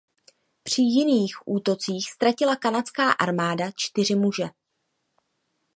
Při jiných útocích ztratila kanadská armáda čtyři muže.